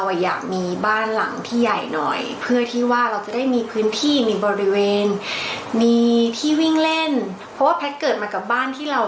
วิ่งเล่นเพราะว่าแพทย์เกิดมากับบ้านที่เรา